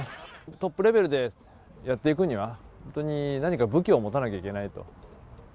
トップレベルでやっていくには、本当に何か武器を持たなきゃいけないと。